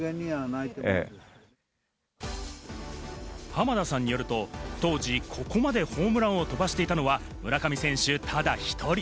濱田さんによると、当時高校までホームランを飛ばしていたのは村上選手ただ一人。